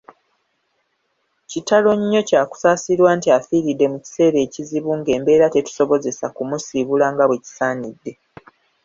Kitalo nnyo kya kusaalirwa nti afiiridde mu kiseera ekizibu ng'embeera tetusobozesa kumusiibula nga bwe kisaanidde.